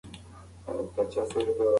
ماشوم په چیغو سره له کوټې بهر ووت.